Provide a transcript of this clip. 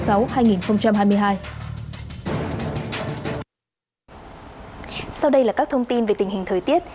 sau đây là các thông tin về tình hình thời tiết